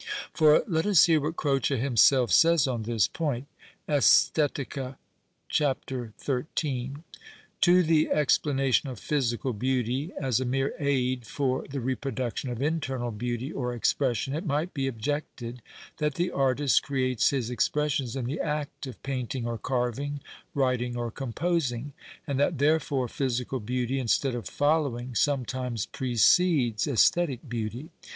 For let us hear what Croce himself says on this point (" Estetica," Ch. XIH.). " To the explana tion of physical beauty as a mere aid for the repro duction of internal beauty, or expression, it might be objected, that the artist creates his expressions in the act of painting or carving, writing or composing ; and that therefore physical beauty, instead of following, sometimes precedes aesthetic beauty.